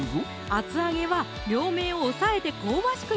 厚揚げは両面を押さえて香ばしく